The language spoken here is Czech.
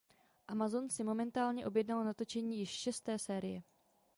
Amazon si momentálně objednal natočení již šesté série.